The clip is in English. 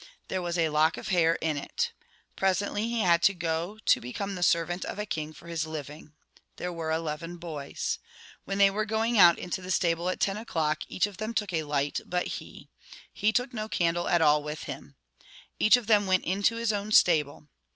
There was a lock of hair in it. Presently he had to go to become the servant of a king for his living. There were eleven boys. When they were going out into the stable at ten o'clock, each of them took a light but he. He took no candle at all with him. Each of them went into his own stable.